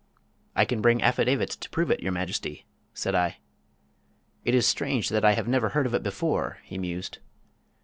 "I can bring affidavits to prove it, Your Majesty," said I. "It is strange that I have never heard of it before," he mused.